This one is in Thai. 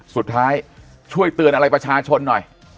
สุดท้ายช่วยเตือนอะไรประชาชนหน่อย